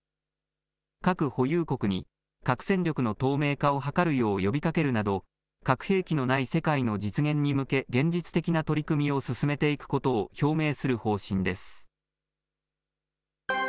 核保有国に核戦力の透明化を図るよう呼びかけるなど、核兵器のない世界の実現に向け、現実的な取り組みを進めていくことを表明する方針です。